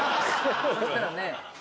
そしたらね。